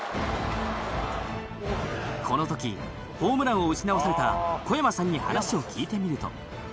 この時ホームランを打ち直された小山さんに話を聞いてみると。